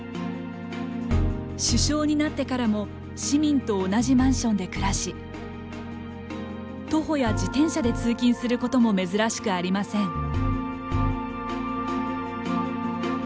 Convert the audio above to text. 首相になってからも市民と同じマンションで暮らし徒歩や自転車で通勤することも珍しくありません。